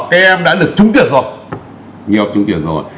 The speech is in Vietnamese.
các em đã được trúng tiền rồi